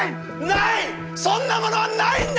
そんなものはないんだ！